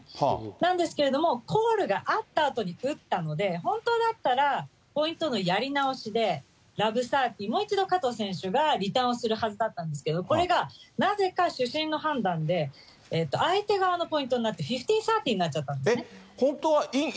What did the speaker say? なんですけれども、コールがあったあとに打ったので、本当だったら、ポイントのやり直しで、ラブサーティー、もう一度、加藤選手がリターンをするはずだったんですけれども、これがなぜか主審の判定で、相手側のポイントになって、フィフティーサーティーになっちゃったんですね。